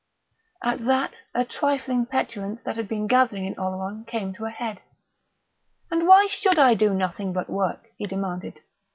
At that a trifling petulance that had been gathering in Oleron came to a head. "And why should I do nothing but work?" he demanded.